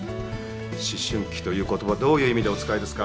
思春期という言葉どういう意味でお使いですか？